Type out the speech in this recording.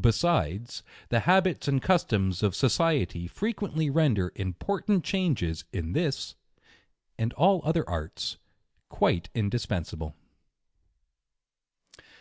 Besides, the habits and customs of society fre quently render important changes in this, and all other arts, quite indispensable.